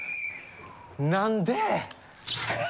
何で？